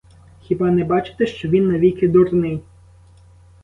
Хіба не бачите, що він навіки дурний?